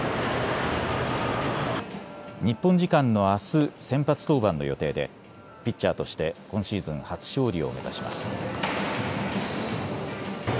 日本時間のあす先発登板の予定でピッチャーとして今シーズン初勝利を目指します。